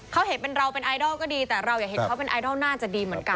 เขาเห็นเป็นเราเป็นไอดอลก็ดีแต่เราอยากเห็นเขาเป็นไอดอลน่าจะดีเหมือนกัน